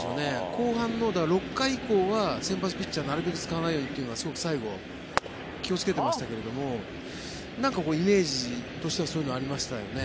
後半の、６回以降は先発ピッチャーをなるべく使わないようにというのはすごく最後気をつけてましたけどイメージとしてはそういうのありましたよね。